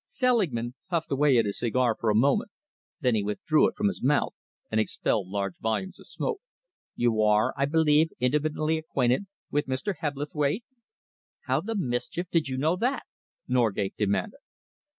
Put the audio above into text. Selingman puffed away at his cigar for a moment. Then he withdrew it from his mouth and expelled large volumes of smoke. "You are, I believe, intimately acquainted with Mr. Hebblethwaite?" "How the mischief did you know that?" Norgate demanded.